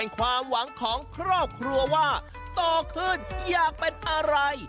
ความหวังของครอบครัวว่าโตขึ้นอยากเป็นอะไร